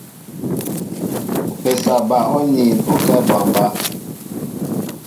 Mpésa ɓă oniin o kɛ a aɓambá.